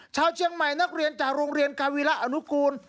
ชาวเชียงใหม่นักเรียนจากโรงเรียนกาวิระอนุกูล